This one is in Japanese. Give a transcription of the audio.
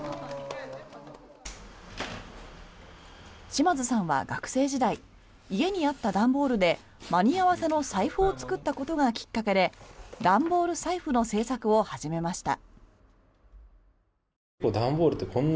島津さんは学生時代家にあった段ボールで間に合わせの財布を作ったことがきっかけで段ボール財布の制作を始めました。